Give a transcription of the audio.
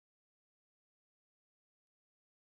ساینسپوهانو موندلې ده چې